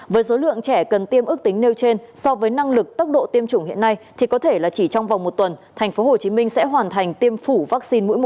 với số lượng trẻ cần tiêm ước tính nêu trên so với năng lực tốc độ tiêm chủng hiện nay thì có thể là chỉ trong vòng một tuần tp hcm sẽ hoàn thành tiêm phủ vaccine mũi một